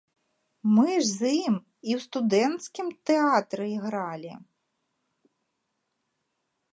Мы ж з ім і ў студэнцкім тэатры ігралі.